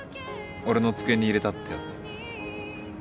俺の机に入れたってやつ？